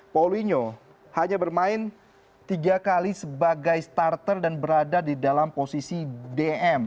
paulinho hanya bermain tiga kali sebagai starter dan berada di dalam posisi dm